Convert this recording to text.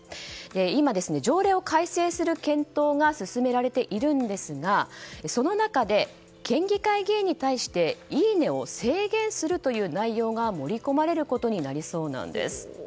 今、条例を改正する検討が進められているんですがその中で県議会議員に対していいねを制限するという内容が盛り込まれることになりそうなんです。